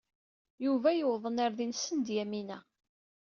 Yuba yewweḍ-n ar din send Yamina.